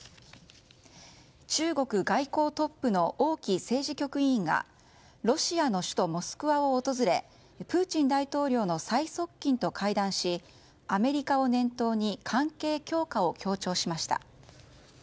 中国外交トップの王毅政治局委員がロシアの首都モスクワを訪れプーチン大統領の最側近と会談しアメリカを念頭に関係強化を強調しました。